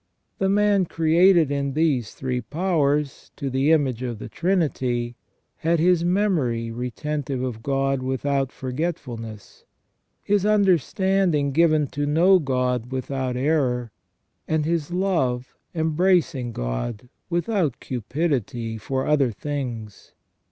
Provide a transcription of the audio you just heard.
The man created in these three powers to the image of the Trinity, had his memory retentive of God without forgetfulness ; his understanding given to know God without error, and his love embracing God without cupidity for other things.